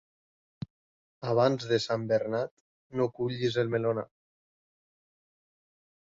Abans de Sant Bernat no cullis el melonar.